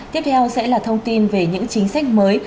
tiếp theo sẽ là thông tin về những chính sách mới